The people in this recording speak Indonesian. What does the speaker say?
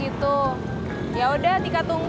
aku kan bukan tukang ojek